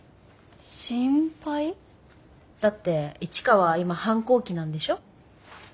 だって市川今反抗期なんでしょ？